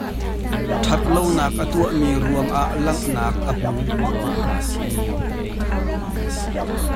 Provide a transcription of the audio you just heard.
Ṭhat lonak a tuahmi ruangah langh nak a hmu.